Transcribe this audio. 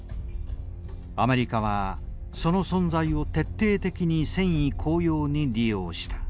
アメリカはその存在を徹底的に戦意高揚に利用した。